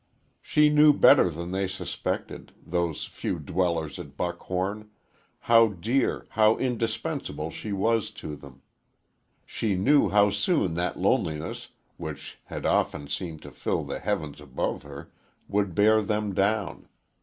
She knew better than they suspected those few dwellers at Buckhorn how dear, how indispensable she was to them. She knew how soon that loneliness, which had often seemed to fill the heavens above her, would bear them down.